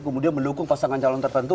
kemudian mendukung pasangan calon tertentu